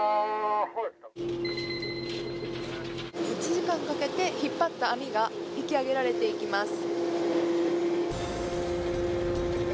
１時間かけて引っ張った網が引き揚げられています。